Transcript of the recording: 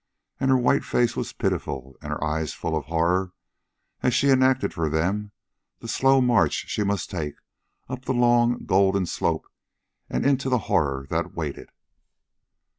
And her white face was pitiful and her eyes full of horror as she enacted for them the slow march she must take up the long golden slope and into the horror that waited.